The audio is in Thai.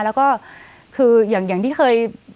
แล้วก็คืออย่างที่เคย